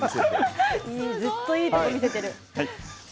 ずっといいところを見せている。